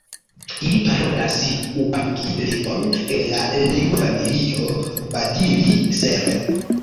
Ili parolas ubangi-lingvon el la lingvofamilio Gbadili-Sere.